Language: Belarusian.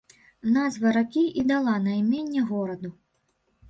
Назва ракі і дала найменне гораду.